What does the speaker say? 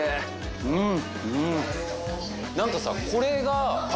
うん！